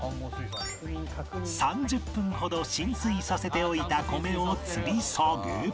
３０分ほど浸水させておいた米をつり下げ